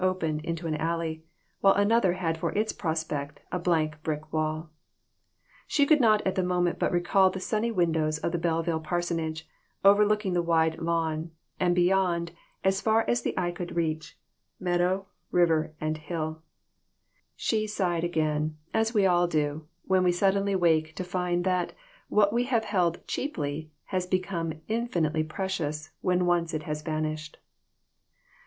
opened into an alley, while another had for its prospect a blank brick wall. She could not at the moment but recall the sunny windows of the Belleville parsonage, overlooking the wide lawn, and beyond, as far as the eye could reach, meadow, river and hill ; and she sighed again, as we all do, when we suddenly wake to find that what we have held cheaply has become infinitely precious when once it had vanished.